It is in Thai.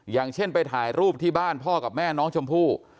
อย่างเช่นไปถ่ายรูปที่บ้านพ่อกับแม่น้องชมพู่